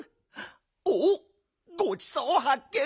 おっごちそうはっけん。